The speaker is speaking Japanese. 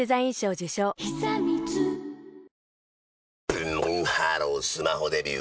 ブンブンハロースマホデビュー！